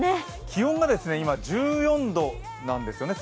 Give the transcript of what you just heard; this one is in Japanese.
気温が今１４度なんですよね。